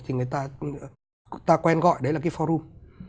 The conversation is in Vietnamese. thì người ta quen gọi đấy là cái forum